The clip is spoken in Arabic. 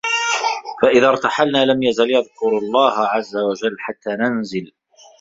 فَإِذَا ارْتَحَلْنَا لَمْ يَزَلْ يَذْكُرُ اللَّهَ عَزَّ وَجَلَّ حَتَّى نَنْزِلَ